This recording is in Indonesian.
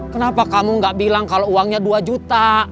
kenapa kamu gak bilang kalau uangnya dua juta